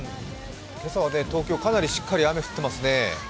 今朝は東京、かなりしっかり雨が降っていますね。